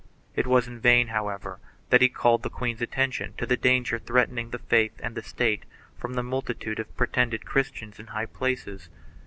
It was in vain, however, that he called the queen's attention to the danger threatening the faith and the State from the multitude of pretended Christians in high places.